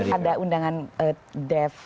ada undangan def